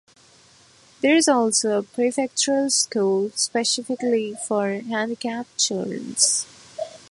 There is also a prefectural school specifically for handicapped children.